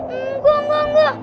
enggak enggak enggak